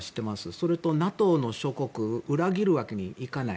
それとＮＡＴＯの諸国を裏切るわけにいかない。